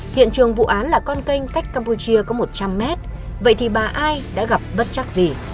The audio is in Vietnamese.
hiện trường vụ án là con canh cách campuchia có một trăm linh mét vậy thì bà ai đã gặp bất chắc gì